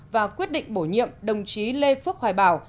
và quyết định bổ nhiệm đồng chí lê phước hoài bảo